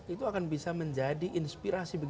itu akan bisa menjadi inspirasi